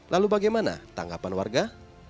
lalu bagaimana tanggapan warga